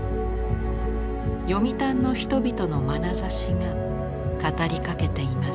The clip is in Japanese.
読谷の人々のまなざしが語りかけています。